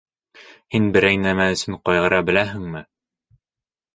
Һин берәй нәмә өсөн ҡайғыра беләһеңме?